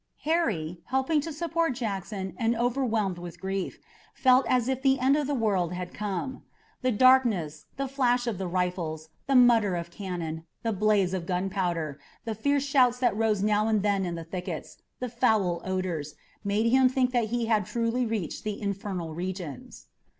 Harry, helping to support Jackson and overwhelmed with grief, felt as if the end of the world had come. The darkness, the flash of the rifles, the mutter of cannon, the blaze of gunpowder, the fierce shouts that rose now and then in the thickets, the foul odors, made him think that they had truly reached the infernal regions.